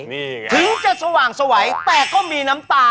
ทิ้งจะสว่างสวัยแต่ก็มีน้ำตา